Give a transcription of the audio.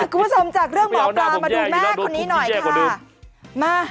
จากเรื่องหมอปลามาดูแม่คนนี้หน่อยค่ะ